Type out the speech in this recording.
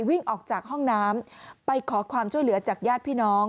วิ่งออกจากห้องน้ำไปขอความช่วยเหลือจากญาติพี่น้อง